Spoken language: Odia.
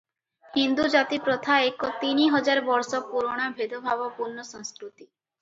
ହିନ୍ଦୁ ଜାତିପ୍ରଥା ଏକ ତିନି ହଜାର ବର୍ଷ ପୁରୁଣା ଭେଦଭାବପୂର୍ଣ୍ଣ ସଂସ୍କୃତି ।